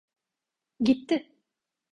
Gitti!